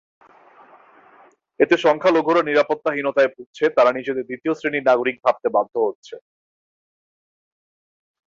এতে সংখ্যালঘুরা নিরাপত্তাহীনতায় ভুগছে, তারা নিজেদের দ্বিতীয় শ্রেণির নাগরিক ভাবতে বাধ্য হচ্ছে।